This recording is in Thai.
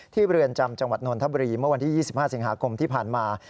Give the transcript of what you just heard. เรือนจำจังหวัดนนทบุรีเมื่อวันที่๒๕สิงหาคมที่ผ่านมา